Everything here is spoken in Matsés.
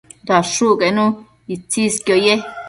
dashucquenu itsisquio ye